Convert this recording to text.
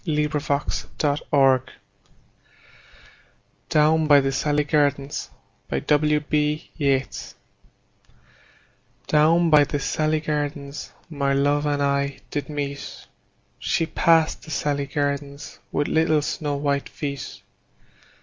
William Butler Yeats Down by the Salley Gardens DOWN by the salley gardens my love and I did meet; She passed the salley gardens with little snow white feet.